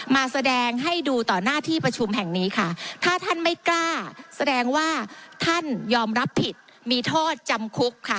มาแสดงให้ดูต่อหน้าที่ประชุมแห่งนี้ค่ะถ้าท่านไม่กล้าแสดงว่าท่านยอมรับผิดมีโทษจำคุกค่ะ